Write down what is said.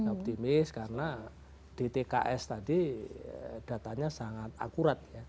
optimis karena di tks tadi datanya sangat akurat ya